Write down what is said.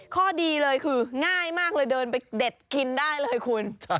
ข้อดีเลยคือง่ายมากเลยเดินไปเด็ดกินได้เลยคุณ